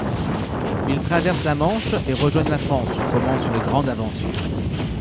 Ils traversent la Manche et rejoignent la France où commence une grande aventure.